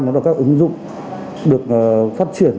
đó là các ứng dụng được phát triển